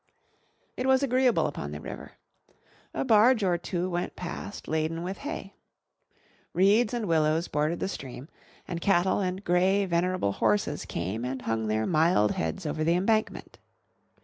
It was agreeable upon the river. A barge or two went past laden with hay. Reeds and willows bordered the stream; and cattle and grey venerable horses came and hung their mild heads over the embankment.